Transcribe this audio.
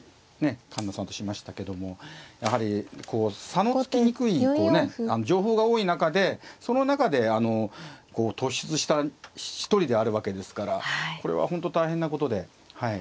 環那さんとしましたけどもやはりこう差のつきにくいこうね情報が多い中でその中でこう突出した一人であるわけですからこれは本当大変なことではい。